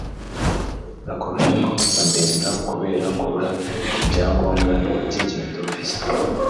Iakovenko na Mbenza kubera kubura ibyangombwa by’ingendo (Visa)